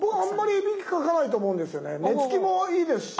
寝つきもいいですし。